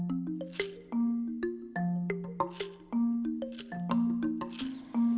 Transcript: selingnya rumah adanya memilih tempat whatsh sekali gitu bunun